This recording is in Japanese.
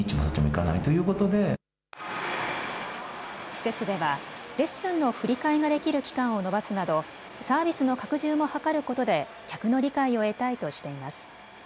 施設ではレッスンの振り替えができる期間を延ばすなどサービスの拡充も図ることで客の理解を得たいとしています。